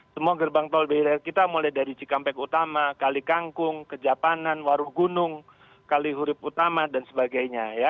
semua gerbang tol blr kita mulai dari cikampek utama kali kangkung kejapanan warugunung kali huruf utama dan sebagainya ya